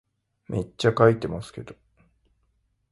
めっちゃ書いてますけど